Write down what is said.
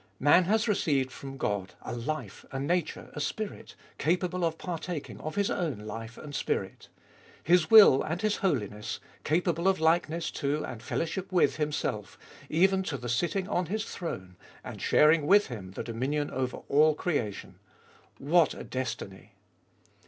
Man has received from God a life, a nature, a spirit, capable of partaking of His own life and spirit His will and His holiness, capable of likeness to and fellowship with Himself, even to the sitting on His throne, and sharing with Him the dominion over all creation. What a destiny